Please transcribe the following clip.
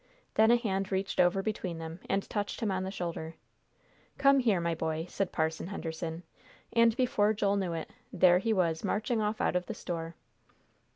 Then a hand reached over between them and touched him on the shoulder. "Come here, my boy," said Parson Henderson, and before Joel knew it, there he was marching off out of the store.